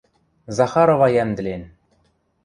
Захарова йӓмдӹлен